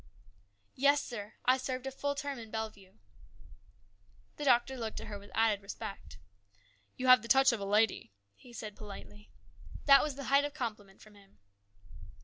" Yes, sir, I served a full term in Bellevue." The doctor looked at her with added respect. " You have the touch of a lady," he said politely. That was the height of compliment from him.